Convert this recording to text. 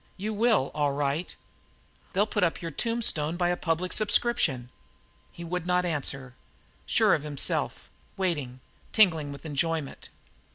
You will be, all right; they'll put up your tombstone by a public subscription." He would not answer, sure of himself; waiting, tingling with enjoyment.